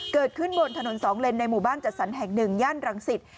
เกิดขึ้นบนถนน๒เลนในหมู่บ้านจัดสรรแห่งหนึ่งย่านรังสิต